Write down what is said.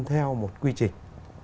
theo một quy trình